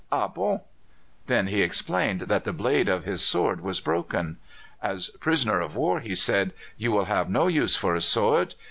Ha! bon!" Then he explained that the blade of his sword was broken. "As prisoner of war," he said, "you will have no use for a sword.